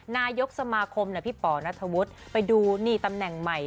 นายกสมาคมพี่ป๋อนัทธวุฒิไปดูนี่ตำแหน่งใหม่